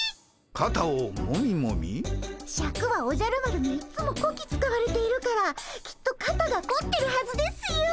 シャクはおじゃる丸にいっつもこき使われているからきっと肩がこってるはずですよ。